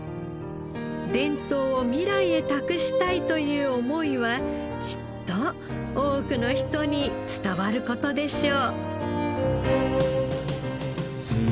伝統を未来へ託したいという思いはきっと多くの人に伝わる事でしょう。